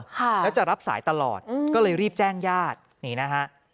ค่ะแล้วจะรับสายตลอดอืมก็เลยรีบแจ้งญาตินี่นะฮะ